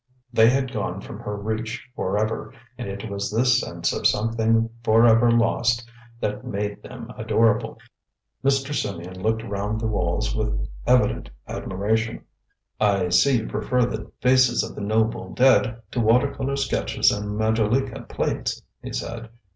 They had gone from her reach for ever; and it was this sense of something for ever lost that made them adorable. Mr. Symeon looked round the walls with evident admiration. "I see you prefer the faces of the noble dead to water colour sketches and majolica plates," he said.